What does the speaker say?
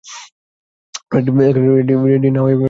Ready না হয়ে paper পড়ছিস?